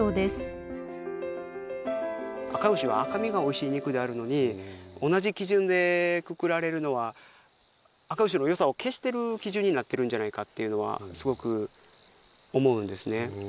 あかうしは赤身がおいしい肉であるのに同じ基準でくくられるのはあかうしの良さを消してる基準になってるんじゃないかっていうのはすごく思うんですね。